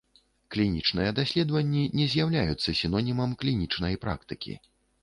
Клінічныя даследаванні не з'яўляюцца сінонімам клінічнай практыкі.